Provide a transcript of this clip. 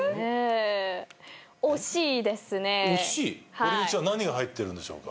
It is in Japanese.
ほりにしは何が入ってるんでしょうか。